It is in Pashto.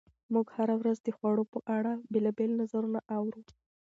موږ هره ورځ د خوړو په اړه بېلابېل نظرونه اورو.